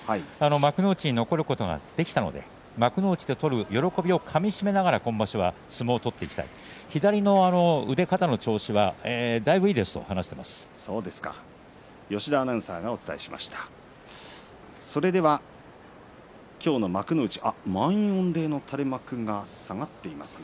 幕内に残ることができたので幕内で取る喜びをかみしめながら今場所は相撲を取っていきたい左の腕や肩の調子は、だいぶあっ、満員御礼の垂れ幕が下がっていますね。